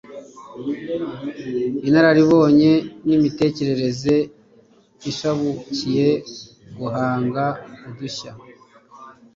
inararibonye n'imitekerereze ishabukiye guhanga udushya.